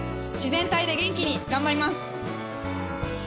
自然体で元気に頑張ります。